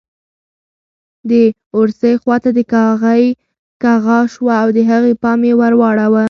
د اورسۍ خواته د کاغۍ کغا شوه او د هغې پام یې ور واړاوه.